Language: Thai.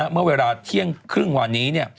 เมื่อเวลาเที่ยงครึ่งวันนี้